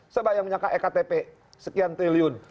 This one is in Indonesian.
saya bayangkan ektp sekian triliun